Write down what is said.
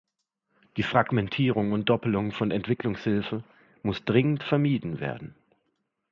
Die Fragmentierung und Doppelung von Entwicklungshilfe muss dringend vermieden werden.